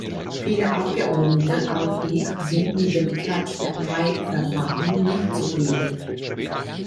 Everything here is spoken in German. Viele Abgeordnete, auch ich, sind mit dem "Catch-the-eye"-Verfahren nicht zufrieden.